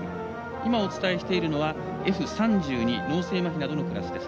今お伝えしていますのはＦ３２脳性まひなどのクラスです。